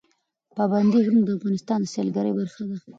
پابندی غرونه د افغانستان د سیلګرۍ برخه ده.